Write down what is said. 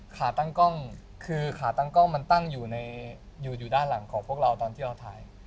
ขาตั้งกล้องคือขาตั้งกล้องมันตั้งอยู่ด้านหลังของพวกเราตอนที่เราถ่าย